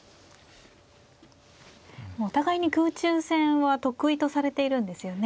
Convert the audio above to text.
もうお互いに空中戦は得意とされているんですよね。